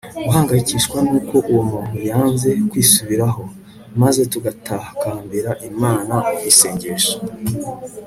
guhangayikishwa n'uko uwo muntu yanze kwisubiraho, maze tugatakambira imana mu isengesho